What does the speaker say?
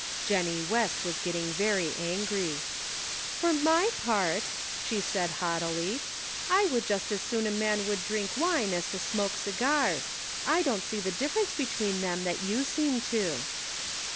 Jennie West was getting very angry. " For my part," she said, haughtily, " I would just as soon a man would drink wine as to smoke cigars. I don't see the difference between them that you seem to."